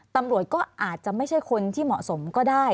ตำรวจก็อาจจะไม่ใช่คนที่เหมาะสมก็ได้